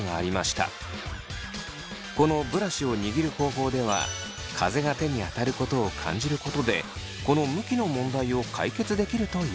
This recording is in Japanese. このブラシを握る方法では風が手に当たることを感じることでこの向きの問題を解決できるといいます。